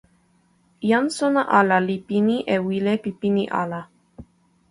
jan sona ala li pini e wile pi pini ala.